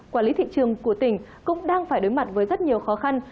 quản lý thị trường của tỉnh cũng đang phải đối mặt với rất nhiều khó khăn